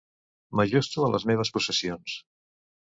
M'ajusto a les meves possessions.